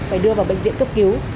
phải đưa vào bệnh viện cấp cứu